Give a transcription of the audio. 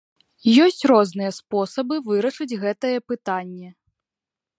Ёсць розныя спосабы вырашыць гэтае пытанне.